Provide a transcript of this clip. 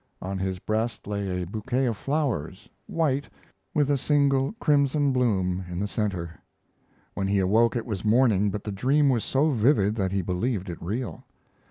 On his breast lay a bouquet of flowers, white, with a single crimson bloom in the center. When he awoke, it was morning, but the dream was so vivid that he believed it real.